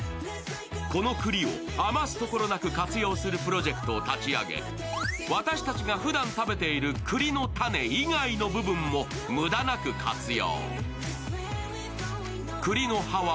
この栗を余すところなく活用するプロジェクトを立ち上げ私たちがふだん食べている栗の種以外の部分もむだなく活用。